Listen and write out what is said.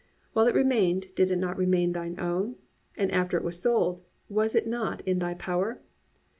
While it remained, did it not remain thine own? And after it was sold, was it not in thy power?